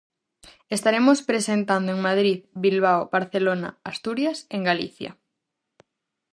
Estaremos presentando en Madrid, Bilbao, Barcelona, Asturias, en Galicia.